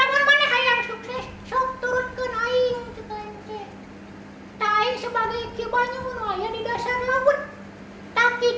lalu mana yang sukses sob turutkan aing